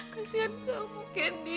kesian kamu candy